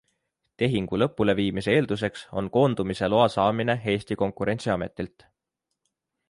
Tehingu lõpuleviimise eelduseks on koondumise loa saamine Eesti konkurentsiametilt.